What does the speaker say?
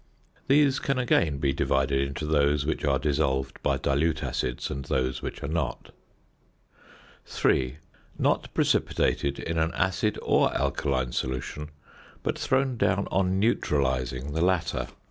These can again be divided into those which are dissolved by dilute acids and those which are not. 3. _Not precipitated in an acid or alkaline solution, but thrown down on neutralising the latter.